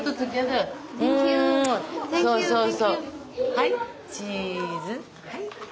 はいチーズ。